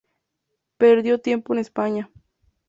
Perdió tiempo en España.